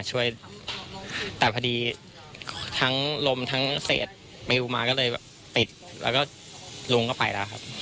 ช่วยแต่พอดีทั้งลมทั้งเศษปลิวมาก็เลยแบบปิดแล้วก็ลุงก็ไปแล้วครับ